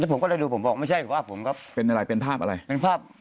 แล้วผมก็ได้ดูผมบอกไม่ใช่ภาพผมครับเป็นอะไรเป็นภาพอะไรเป็นภาพ